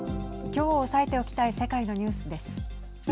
きょう押さえておきたい世界のニュースです。